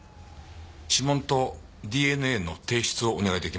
指紋とＤＮＡの提出をお願い出来ませんか？